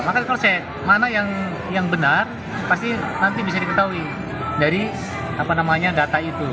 maka cross check mana yang benar pasti nanti bisa diketahui dari data itu